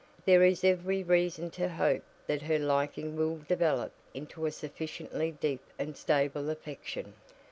There is every reason to hope that her liking will develop into a sufficiently deep and stable affection.